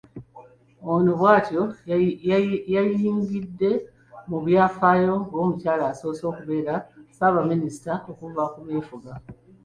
Ono bw’atyo yayingidde mu byafaayo ng’omukyala asoose okubeera Ssaabaminisita okuva ku meefuga